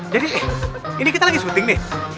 jadi ini kita lagi syuting nih